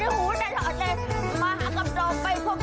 เฮ้ยประโยชน์นี้มันก้องอยู่ในหูตลอดเลย